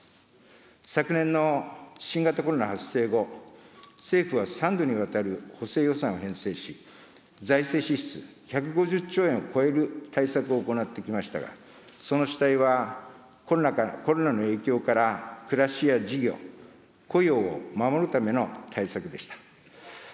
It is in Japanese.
昨年の新型コロナ発生後、政府は３度にわたる補正予算を編成し、財政支出１５０兆円を超える対策を行ってきましたが、その主体はコロナの影響から暮らしや事業、雇用を守るための対策でした。